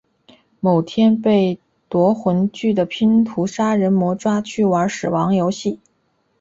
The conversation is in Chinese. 某天被夺魂锯的拼图杀人魔抓去玩死亡游戏。